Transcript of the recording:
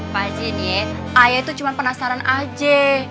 pak haji nih ayah itu cuma penasaran aja